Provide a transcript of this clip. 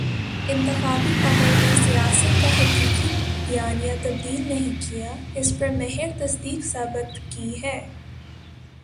انتخابی عمل نے سیاست کا حقیقی بیانیہ تبدیل نہیں کیا، اس پر مہر تصدیق ثبت کی ہے۔